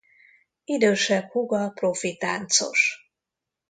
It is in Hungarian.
Idősebb húga profi táncos.